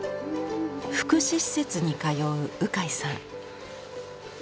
福祉施設に通う鵜飼さん。